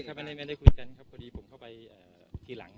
ครับไม่ได้ไม่ได้คุยกันครับพอดีผมเข้าไปเอ่อที่หลัง